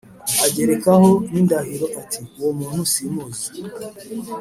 Agerekaho n indahiro ati uwo muntu simuzi